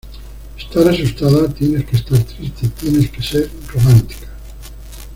Estar asustada, tienes que estar triste, tienes que ser romántica".